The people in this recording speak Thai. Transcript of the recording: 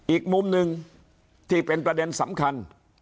อีกมุมหนึ่งที่เป็นประเด็นสำคัญ